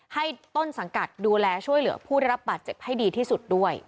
ให้ต้นสังกัดดูแลช่วยเหลือผู้ได้รับบาดเจ็บให้ดีที่สุดด้วย